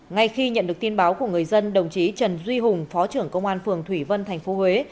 ngay khi nhận được tin báo của người dân đồng chí trần duy hùng phó trưởng công an phường thủy vân tp huế